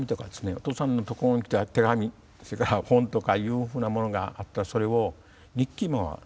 お父さんの所に来た手紙それから本とかいうふうなものがあったらそれを日記もあったはずなんですね。